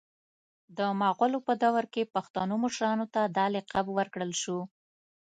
د مغولو په دور کي پښتنو مشرانو ته دا لقب ورکړل سو